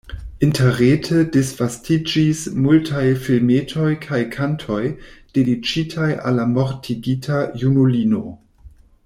Interrete disvastiĝis multaj filmetoj kaj kantoj, dediĉitaj al la mortigita junulino.